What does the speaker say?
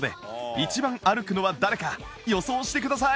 一番歩くのは誰か予想してください。